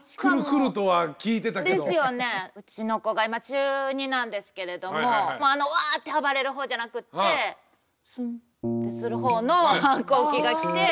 うちの子が今中２なんですけれどもあのワッて暴れるほうじゃなくって「スンッ」てするほうの反抗期が来て。